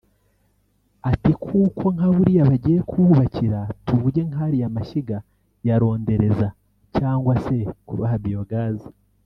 Ati kuko nka buriya bagiye kububakira tuvuge nkariya mashyiga ya rondereza cyangwa se kubaha Biogaz